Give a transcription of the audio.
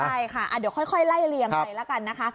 ใช่ค่ะเดี๋ยวค่อยไล่เลี่ยงไปแล้วกันนะคะ